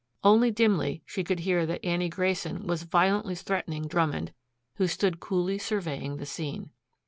Only dimly she could hear that Annie Grayson was violently threatening Drummond, who stood coolly surveying the scene.